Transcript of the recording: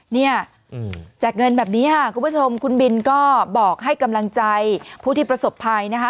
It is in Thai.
เนี่ยแจกเงินแบบนี้ค่ะคุณผู้ชมคุณบินก็บอกให้กำลังใจผู้ที่ประสบภัยนะคะ